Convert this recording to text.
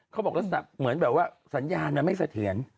เขาบอกลักษณะเหมือนแบบว่าสัญญาณมันไม่เสถียร